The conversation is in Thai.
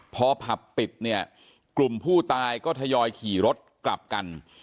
พอผับปิดเนี่ยกลุ่มผู้ตายก็ทยอยขี่รถกลับกัน